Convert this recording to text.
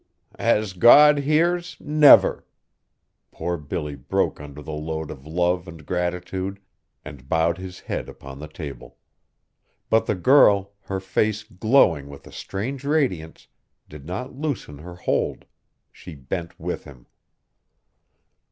"As God hears, never!" Poor Billy broke under the load of love and gratitude, and bowed his head upon the table. But the girl, her face glowing with a strange radiance, did not loosen her hold; she bent with him.